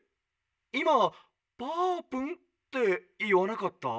いま『ぱーぷん』っていわなかった？」。